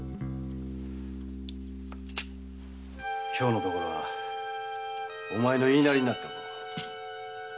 今日のところはお前の言うなりになっておこう。